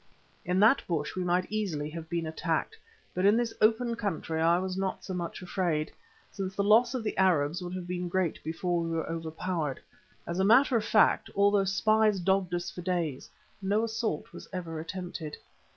In that bush we might easily have been attacked, but in this open country I was not so much afraid, since the loss to the Arabs would have been great before we were overpowered. As a matter of fact, although spies dogged us for days no assault was ever attempted.